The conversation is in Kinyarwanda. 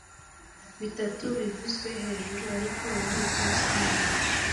bitatu bivuzwe hejuru ariko ububiko rusange